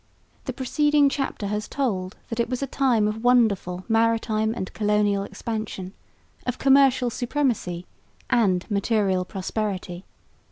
The preceding chapter has told that it was a time of wonderful maritime and colonial expansion, of commercial supremacy and material prosperity.